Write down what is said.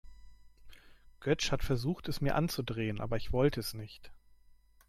Götsch hat versucht, es mir anzudrehen, aber ich wollte es nicht.